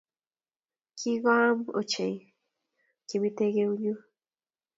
kigoamaa ochei kimitek eunyu